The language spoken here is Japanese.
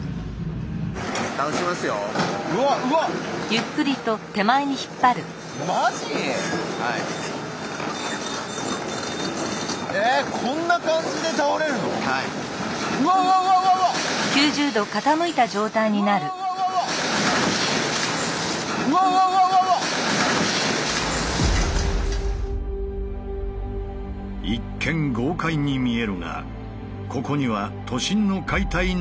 一見豪快に見えるがここには都心の解体ならではの工夫が。